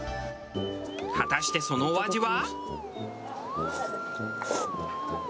果たしてそのお味は？